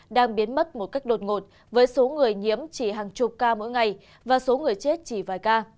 đang biến mất một cách đột ngột với số người nhiễm chỉ hàng chục ca mỗi ngày và số người chết chỉ vài ca